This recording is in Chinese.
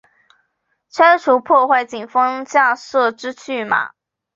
拆除破坏警方架设之拒马